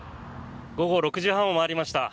午後６時半を回りました。